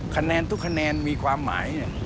คะแนนทุกคะแนนมีความหมาย